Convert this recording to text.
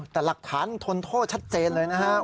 แต่หลักฐานทนโทษชัดเจนเลยนะครับ